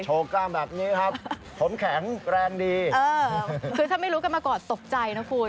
กล้ามแบบนี้ครับผมแข็งแรงดีเออคือถ้าไม่รู้กันมาก่อนตกใจนะคุณ